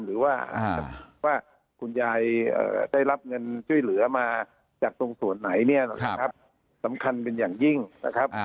หรือว่าว่าคุณยายได้รับเงินช่วยเหลือมาจากตรงส่วนไหนเนี่ยนะครับสำคัญเป็นอย่างยิ่งนะครับ